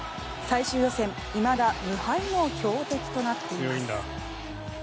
最終予選いまだ無敗の強敵となっています。